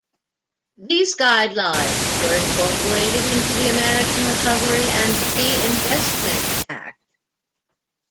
These guidelines were incorporated into the American Recovery and Reinvestment Act.